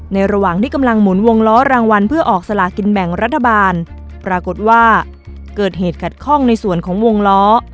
ระหว่างที่กำลังหมุนวงล้อรางวัลเพื่อออกสลากินแบ่งรัฐบาลปรากฏว่าเกิดเหตุขัดข้องในส่วนของวงล้อ